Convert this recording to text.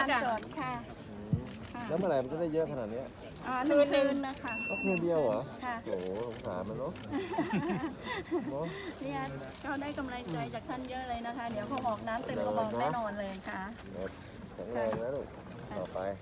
แล้วเมื่อไหร่มันจะได้เยอะขนาดเนี้ยอ่าหนึ่งหนึ่งนะคะโอเคเยี่ยวเหรอค่ะโอ้โหสามารถเนอะเนี้ยเขาได้กำลังใจจากท่านเยอะเลยนะคะ